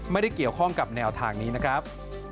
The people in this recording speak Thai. ไม่ได้เกี่ยวข้องกับแนวทางนี้นะครับ